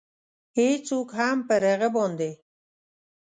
هېڅوک هم پر هغه باندې.